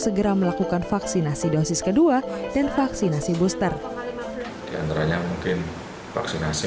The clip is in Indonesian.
segera melakukan vaksinasi dosis kedua dan vaksinasi booster diantaranya mungkin vaksinasi